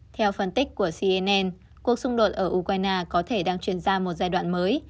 theo phân tích của cnn cuộc xung đột ở ukraine có thể đang chuyển ra một giai đoạn mới